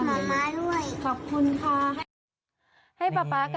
ทำให้มาม่าหรอกคะ